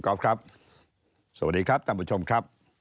ครับสวัสดีครับท่านผู้ชมครับ